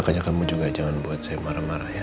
makanya kamu juga jangan buat saya marah marah ya